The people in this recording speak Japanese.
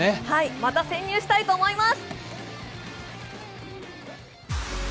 また潜入したいと思います。